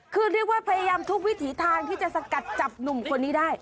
คือเรียกว่าพยายามทุกวิถีทางที่จะสกัดจับหนุ่มคนนี้ได้